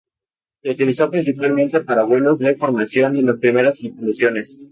Se utilizó principalmente para vuelos de formación de las primeras tripulaciones.